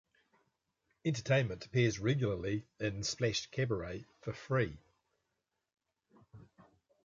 Entertainment appears regularly in Splash Cabaret for free.